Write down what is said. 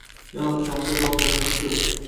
Yon-atrofda dov-daraxt koʻp.